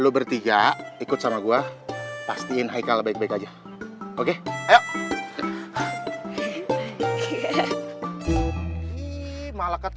lo bertiga ikut sama gua posting gasoline baik baik aja oke knew what right